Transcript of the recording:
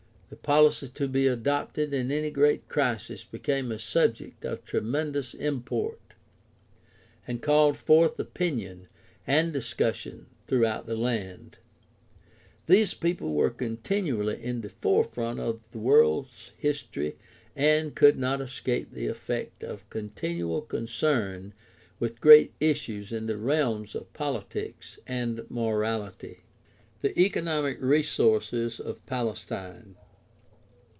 The policy to be adopted in any great crisis became a subject of tremendous import and called forth opinion and discussion throughout the land. These people were continually in the forefront of the world's history and could not escape the effect of con tinual concern with great issues in the realms of politics and morality. OLD TESTAMENT AND RELIGION OF ISRAEL 127 The economic resources of Palestine.